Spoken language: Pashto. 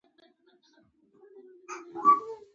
د ژبې موانع علمي څېړنې لیرې کوي.